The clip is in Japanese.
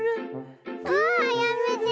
わあやめて。